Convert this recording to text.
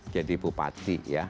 jadi bupati ya